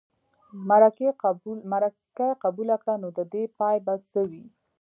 مرکې قبوله کړه نو د دې پای به څه وي.